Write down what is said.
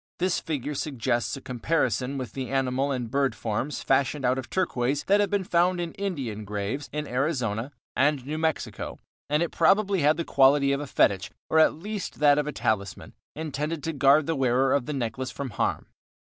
This figure suggests a comparison with the animal and bird forms fashioned out of turquoise that have been found in Indian graves in Arizona and New Mexico, and it probably had the quality of a fetich, or at least of a talisman, intended to guard the wearer of the necklace from harm.